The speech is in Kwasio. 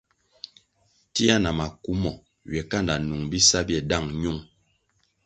Tia na maku mo ywe kanda nung bisa bie dáng ñung.